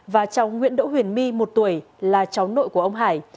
và cháu nguyễn đỗ huyền my một tuổi là cháu nội của ông hải